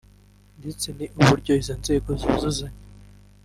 ndetse n’uburyo izo nzego zuzuzanya